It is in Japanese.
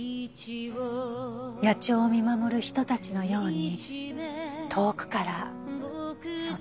野鳥を見守る人たちのように遠くからそっと。